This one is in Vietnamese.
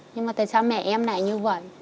nhưng mà tại sao mẹ em lại như vậy